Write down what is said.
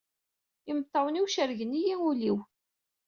Imeṭṭawen-iw cerrgen-iyi ul-iw!